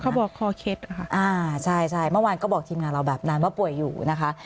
บอกคอเคล็ดค่ะอ่าใช่ใช่เมื่อวานก็บอกทีมงานเราแบบนั้นว่าป่วยอยู่นะคะ